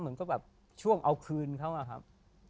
เหมือนกับแบบช่วงเอาคืนเขาอะครับ